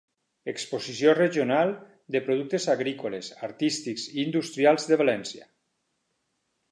Exposició Regional de productes agrícoles, artístics i industrials de València.